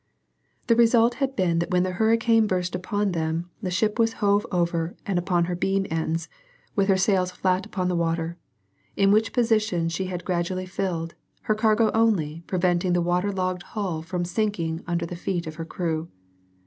The result had been that when the hurricane burst upon them the ship was hove over upon her beam ends, with her sails flat upon the water, in which position she had gradually filled, her cargo only preventing the waterlogged hull from sinking under the feet of her crew.